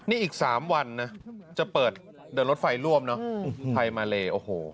นี่อีก๓วันนะจะเปิดเดินรถไฟร่วมเนอะไทยมาเลโอ้โห